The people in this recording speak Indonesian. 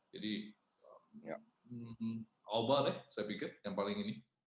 jadi aubameyang deh saya pikir yang paling ini